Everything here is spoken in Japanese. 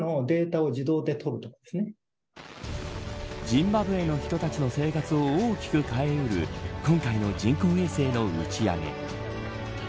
ジンバブエの人たちの生活を大きく変えうる今回の人工衛星の打ち上げ。